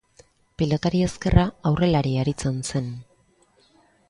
Pilotari ezkerra, aurrelari aritzen zen.